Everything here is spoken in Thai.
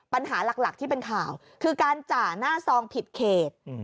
ปัญหาหลักที่เป็นข่าวคือการจ่าหน้าซองผิดเขต